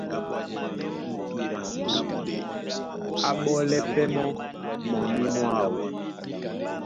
Á ɓole pɛ́ mɔ́ mɔní mwáō.